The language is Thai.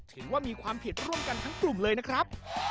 ถือว่ามีความผิดร่วมกันทั้งกลุ่มเลยนะครับ